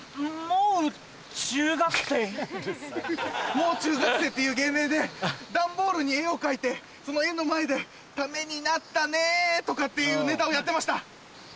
「もう中学生」っていう芸名で段ボールに絵を描いてその絵の前で「ためになったね」とかっていうネタをやってました！